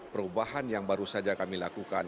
perubahan yang baru saja kami lakukan